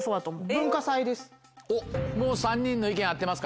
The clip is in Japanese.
文化祭です。